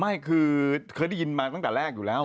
ไม่คือเคยได้ยินมาตั้งแต่แรกอยู่แล้ว